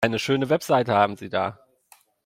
Eine schöne Website haben Sie da.